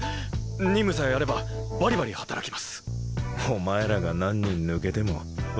忍務さえあればバリバリ働きますお前らが何人抜けても我が社は困らない